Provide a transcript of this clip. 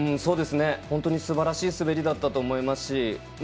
本当にすばらしい滑りだったと思いますし